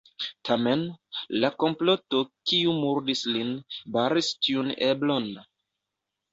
Tamen, la komploto, kiu murdis lin, baris tiun eblon.